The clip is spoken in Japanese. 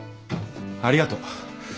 ありがとう。